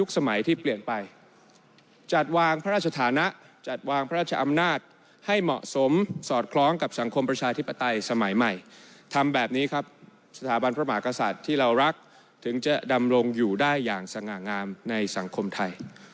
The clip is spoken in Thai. สถาบันพระมหากษัตริย์ที่เรารักถึงจะดำรงอยู่ได้อย่างสง่างามในสังคมไทย